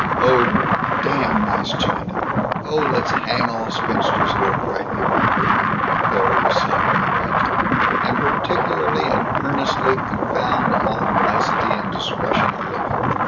'" "Oh, damn nice china! Oh, let's hang all spinsters who are brightly reproving," Claire was silently raging. "And particularly and earnestly confound all nicety and discretion of living."